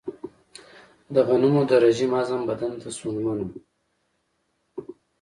د غنمو د رژیم هضم بدن ته ستونزمن و.